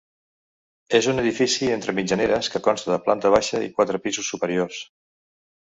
És un edifici entre mitjaneres que consta de planta baixa i quatre pisos superiors.